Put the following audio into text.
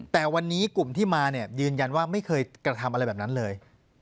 แต่วันนี้กลุ่มที่มาเนี่ยยืนยันว่าไม่เคยกระทำอะไรแบบนั้นเลย